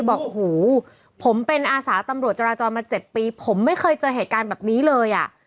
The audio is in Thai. บอกหูผมเป็นอาสาตำรวจจราจรมา๗ปีผมไม่เคยเจอเหตุการณ์แบบนี้เลยอ่ะ